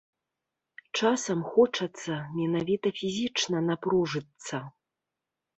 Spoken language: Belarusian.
Часам хочацца менавіта фізічна напружыцца.